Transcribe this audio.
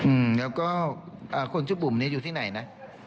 ให้ปุ๋มมันกันอ่ะอืมแล้วก็อ่าคนชื่อปุ๋มนี้อยู่ที่ไหนน่ะ